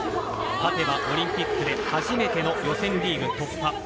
勝てばオリンピックで初めての予選リーグ突破。